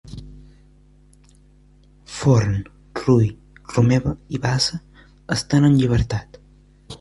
Forn, Rull, Romeva i Bassa estan en llibertat